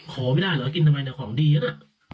ขอไม่ได้เหรอกินทำไมแต่ของดีเยอะ